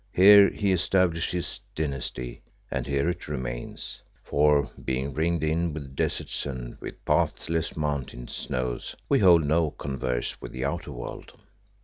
Here he established his dynasty, and here it remains, for being ringed in with deserts and with pathless mountain snows, we hold no converse with the outer world."